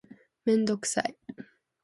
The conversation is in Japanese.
メンドクサイ